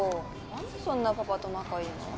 何でそんなにパパと仲いいの？